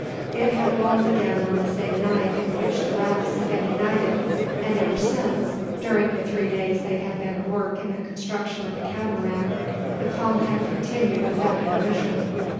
It had lulled again on the same night in which the rafts had become united; and ever since, during the three days they had been at work in the construction of the Catamaran, the calm had continued without intermission.